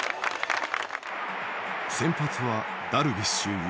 先発はダルビッシュ有。